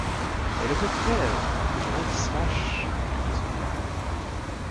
Et le cocktail! le brandy-smash ! criait celui-là.